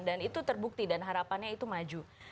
dan itu terbukti dan harapannya itu maju